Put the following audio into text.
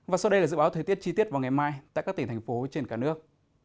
và sau đây là dự báo thời tiết chi tiết vào ngày mai tại các tỉnh thành phố trên cả nước